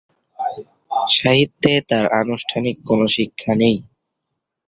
সাহিত্যে তার আনুষ্ঠানিক কোন শিক্ষা নেই।